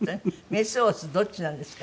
メスオスどっちなんですか？